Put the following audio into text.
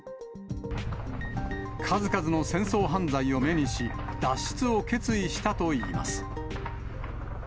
数々の戦争犯罪を目にし、脱出を決意したといいます。